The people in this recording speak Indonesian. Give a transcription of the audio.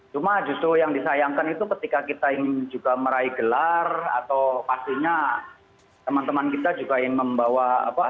cuma justru yang disayangkan itu ketika kita ingin juga meraih gelar atau pastinya teman teman kita juga ingin membawa apa